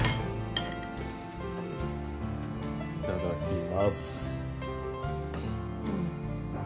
いただきます。